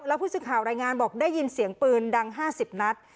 แล้วผู้สื่อข่าวรายงานบอกได้ยินเสียงปืนดัง๕๐นัด